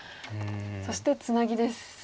そしてツナギです。